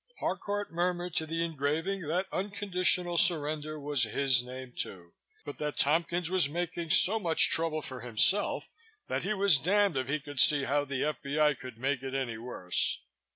Harcourt murmured to the engraving that unconditional surrender was his name, too, but that Tompkins was making so much trouble for himself that he was damned if he could see how the F.B.I. could make it any worse.